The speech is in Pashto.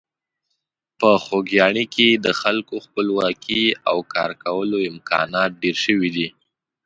په خوږیاڼي کې د خلکو خپلواکي او کارکولو امکانات ډېر شوي دي.